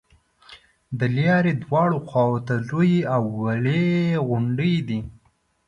د لارې دواړو خواو ته لویې او وړې غونډې دي.